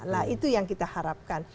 nah itu yang kita harapkan